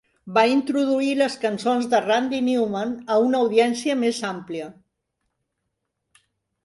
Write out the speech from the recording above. Va introduir les cançons de Randy Newman a una audiència més àmplia.